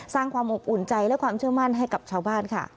ความอบอุ่นใจและความเชื่อมั่นให้กับชาวบ้านค่ะ